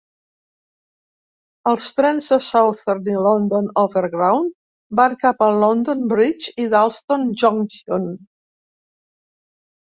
Els trens de Southern i London Overground van cap a London Bridge i Dalston Junction.